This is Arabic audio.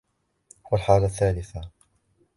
وَالْحَالَةُ الثَّالِثَةُ